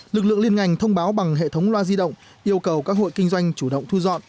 lực lượng liên ngành thông báo bằng hệ thống loa di động yêu cầu các hội kinh doanh chủ động thu dọn